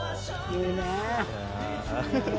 いいね！